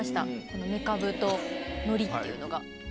このめかぶとのりっていうのが。